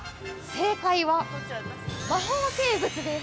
◆正解は、魔法生物です。